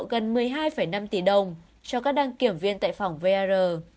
gần một mươi hai năm tỷ đồng cho các đăng kiểm viên tại phòng vr